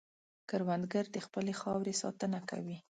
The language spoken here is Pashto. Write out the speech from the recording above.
کروندګر د خپلې خاورې ساتنه کوي